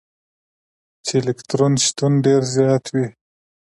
چي د الکترون شتون ډېر زيات وي.